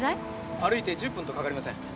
歩いて１０分とかかりません。